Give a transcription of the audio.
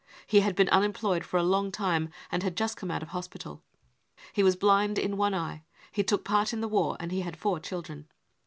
He had been unemployed for a long time, and had just come out of hospital ; he was blind in one eye ; he took part in the war, and he had four children.